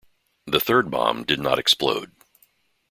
The third bomb did not explode.